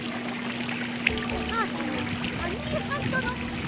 おかあさんのハニーハントのくつ！